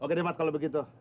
oke deh mat kalau begitu